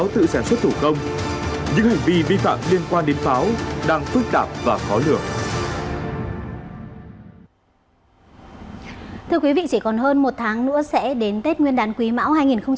thưa quý vị chỉ còn hơn một tháng nữa sẽ đến tết nguyên đán quý mão hai nghìn hai mươi bốn